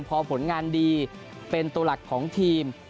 พอผลงานดีเป็นตัวหลักของทีม